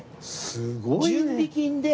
すごいね。